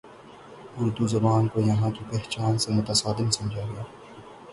اردو زبان کو یہاں کی پہچان سے متصادم سمجھا گیا